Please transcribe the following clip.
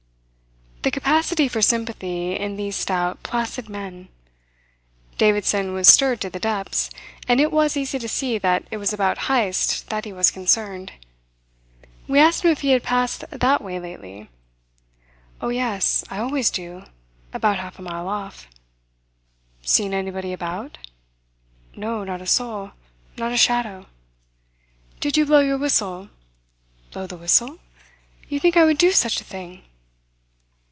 The capacity for sympathy in these stout, placid men! Davidson was stirred to the depths; and it was easy to see that it was about Heyst that he was concerned. We asked him if he had passed that way lately. "Oh, yes. I always do about half a mile off." "Seen anybody about?" "No, not a soul. Not a shadow." "Did you blow your whistle?" "Blow the whistle? You think I would do such a thing?"